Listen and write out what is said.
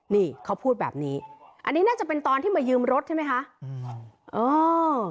นี่เขาพูดแบบนี้อันนี้น่าจะเป็นตอนที่มายืมรถใช่ไหมคะอืมเออ